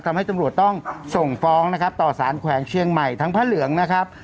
ตำรวจต้องส่งฟ้องนะครับต่อสารแขวงเชียงใหม่ทั้งพระเหลืองนะครับ